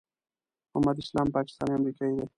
محمد اسلام پاکستانی امریکایی دی.